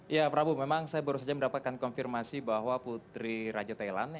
ya prabu memang saya baru saja mendapatkan konfirmasi bahwa putri raja thailand